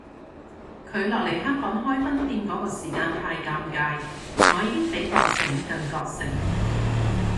佢落嚟香港開分店嗰個時間太尷尬，我已經比覺醒更覺醒